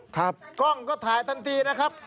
กล้องก็ถ่ายทันทีนะครับ